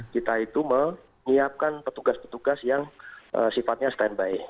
kita itu menyiapkan petugas petugas yang sifatnya standby